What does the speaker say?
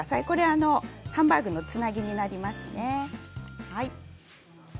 これはハンバーグのつなぎになりますね。